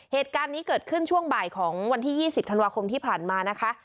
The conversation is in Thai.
เหตุการณ์นี้เกิดขึ้นช่วงบ่ายของวันที่๒๐ธันวาคมที่ผ่านมานะคะ